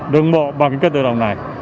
đường bộ bằng cái cân tự động này